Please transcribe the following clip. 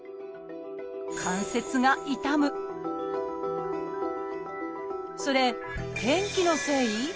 関節が痛むそれ天気のせい？